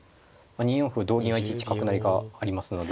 ２四歩同銀は１一角成がありますので。